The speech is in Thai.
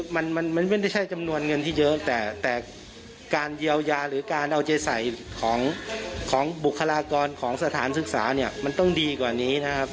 มันมันไม่ได้ใช้จำนวนเงินที่เยอะแต่การเยียวยาหรือการเอาใจใส่ของบุคลากรของสถานศึกษาเนี่ยมันต้องดีกว่านี้นะครับ